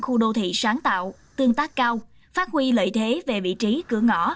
khu đô thị sáng tạo tương tác cao phát huy lợi thế về vị trí cửa ngõ